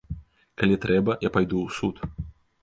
Калі трэба, я пайду ў суд.